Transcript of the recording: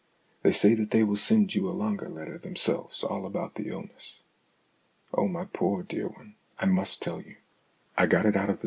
They say that they will send you a longer letter themselves all about the illness. Oh, my poor dear one, I must tell you ! I got it out of the 62 STORIES IN GREY k^^r.